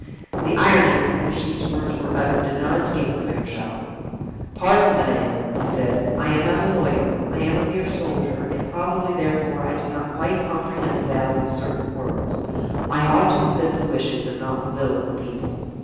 The irony with which these words were uttered did not escape the marechal. "Pardon, madame," he said, "I am not a lawyer, I am a mere soldier, and probably, therefore, I do not quite comprehend the value of certain words; I ought to have said the wishes, and not the will, of the people.